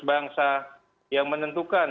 bangsa yang menentukan